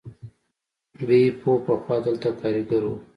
بیپو پخوا دلته کارګر و.